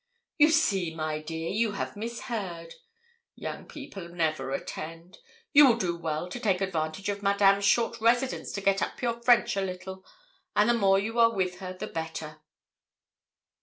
'You see, my dear, you have misheard; young people never attend. You will do well to take advantage of Madame's short residence to get up your French a little, and the more you are with her the better.'